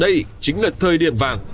đây chính là thời điểm vàng